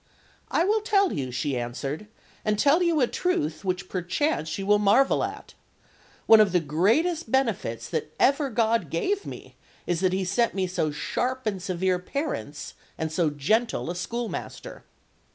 "I will tell you," she answered, "and tell you a truth, which perchance you will marvel at. One of the greatest benefits that ever God gave me is that He sent me so sharp and severe parents and so gentle a schoolmaster.